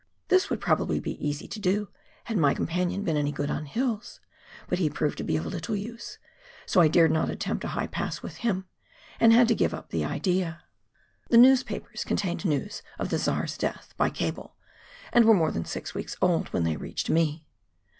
This would probably be easy to do, had my companion been any good on hills, but he proved to be of little use, so I dared not attempt a high pass with him, and had to give up the idea. The newspapers contained news of the Czar's death, by cable, and were more than six weeks old when they reached me.